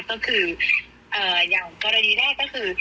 ก็คืออย่างกรณีแรกก็คือ